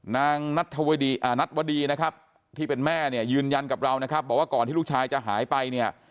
นางนัทวดีนะครับที่เป็นแม่เนี่ยยืนยันกับเรานะครับบอกว่าก่อนที่ลูกชายจะหายไปเนี่ย